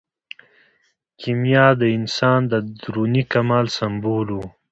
کیمیا د انسان د دروني کمال سمبول و.